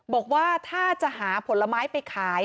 บอกว่าถ้าจะหาผลไม้ไปขาย